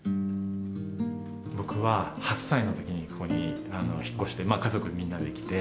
僕は８歳の時にここに引っ越してまあ家族みんなで来て。